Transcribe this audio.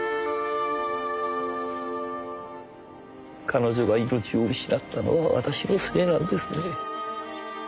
彼女が命を失ったのは私のせいなんですね。